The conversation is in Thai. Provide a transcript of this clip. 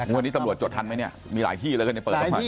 วันนี้ตำรวจจดทันไหมมีหลายที่แล้วกันในเปิดปากภูมิ